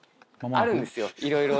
あるんですよ、いろいろ。